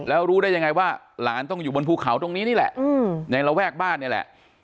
แล้วรู้ได้ยังไงว่าหลานต้องอยู่บนภูเขาตรงนี้นี่แหละในระแวกบ้านนี่แหละ